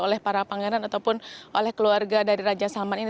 oleh para pangeran ataupun oleh keluarga dari raja salman ini